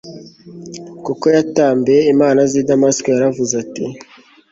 kuko yatambiye imana z'i damasiko. yaravuze ati